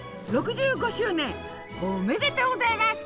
６５周年おっめでとうございます！